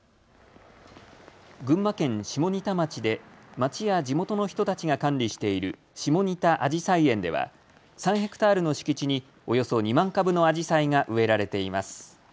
群馬県下仁田町で町や地元の人たちが管理している下仁田あじさい園では３ヘクタールの敷地におよそ２万株のあじさいが植えられています。